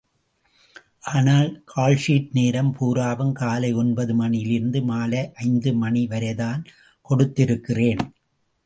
ஆனால் கால்ஷீட் நேரம் பூராவும் காலை ஒன்பது மணியிலிருந்து மாலை ஐந்து மணிவரைதான் கொடுத்திருக்கிறேன்.